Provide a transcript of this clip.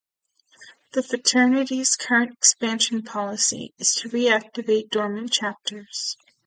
The fraternity's current expansion policy is to reactivate dormant chapters.